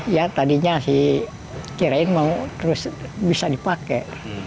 ya tadinya sih kirain mau terus bisa dipakai